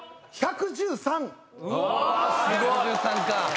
１１３か。